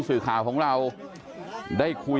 เพื่อนบ้านเจ้าหน้าที่อำรวจกู้ภัย